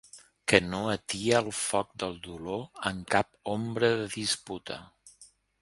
Que no atia el foc del dolor amb cap ombra de disputa.